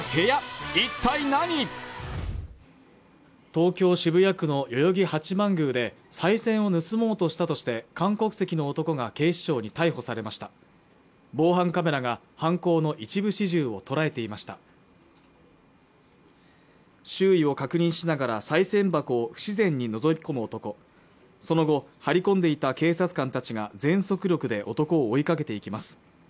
東京渋谷区の代々木八幡宮でさい銭を盗もうとしたとして韓国籍の男が警視庁に逮捕されました防犯カメラが犯行の一部始終を捉えていました周囲を確認しながらさい銭箱を不自然にのぞき込む男その後張り込んでいた警察官たちが全速力で男を追いかけていきます